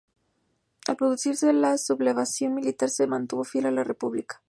Al producirse la sublevación militar se mantuvo fiel a la República.